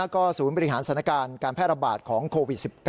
ก็ศูนย์บริหารสถานการณ์การแพร่ระบาดของโควิด๑๙